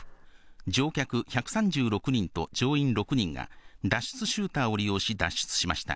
乗客１３６人と乗員６人が、脱出シューターを利用し、脱出しました。